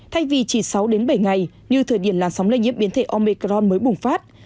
thay vì chỉ sáu bảy ngày như thời điểm là sóng lây nhiễm biến thể omicron mới bùng phát